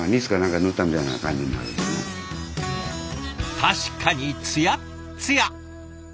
確かにつやっつや！